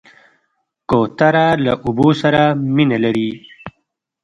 کوتره له اوبو سره مینه لري.